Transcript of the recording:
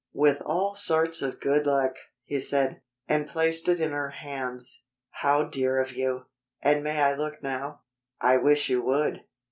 "With all sorts of good luck," he said, and placed it in her hands. "How dear of you! And may I look now?" "I wish you would.